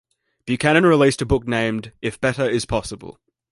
Buchanan released a book named, "If Better Is Possible".